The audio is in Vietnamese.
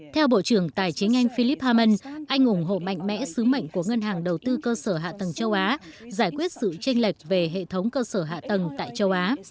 theo bộ trưởng tài chính anh philip haman anh ủng hộ mạnh mẽ sứ mệnh của ngân hàng đầu tư cơ sở hạ tầng châu á giải quyết sự tranh lệch về hệ thống cơ sở hạ tầng tại châu á